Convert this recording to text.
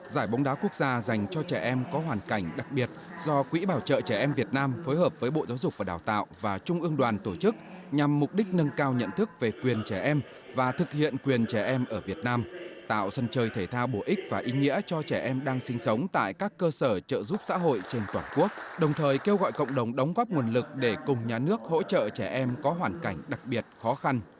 giải bóng đá quốc gia dành cho trẻ em có hoàn cảnh đặc biệt do quỹ bảo trợ trẻ em việt nam phối hợp với bộ giáo dục và đào tạo và trung ương đoàn tổ chức nhằm mục đích nâng cao nhận thức về quyền trẻ em và thực hiện quyền trẻ em ở việt nam tạo sân chơi thể thao bổ ích và ý nghĩa cho trẻ em đang sinh sống tại các cơ sở trợ giúp xã hội trên toàn quốc đồng thời kêu gọi cộng đồng đóng góp nguồn lực để cùng nhà nước hỗ trợ trẻ em có hoàn cảnh đặc biệt khó khăn